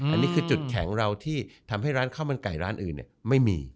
อันนี้คือจุดแข็งเราที่ทำให้ร้านข้าวมันไก่ร้านอื่นไม่มี